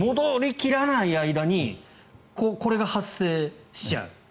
切らない間にこれが発生しちゃう。